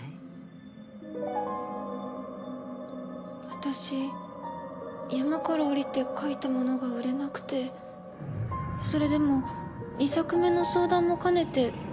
私山から下りて書いたものが売れなくてそれでも２作目の相談も兼ねて売り込みに歩いたら。